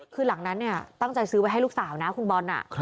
คือหลังนั้นเนี่ยตั้งใจซื้อไว้ให้ลูกสาวนะคุณบอล